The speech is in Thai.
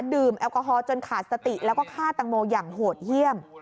แอลกอฮอล์จนขาดสติแล้วก็ฆ่าตังโมอย่างโหดเยี่ยม